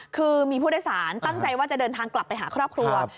คือมีผู้โดยสารตั้งใจว่าจะเดินทางกลับไปหาครอบครัว